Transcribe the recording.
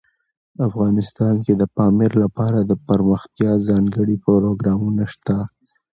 افغانستان کې د پامیر لپاره دپرمختیا ځانګړي پروګرامونه شته.